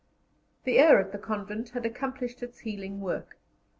The air at the convent had accomplished its healing work.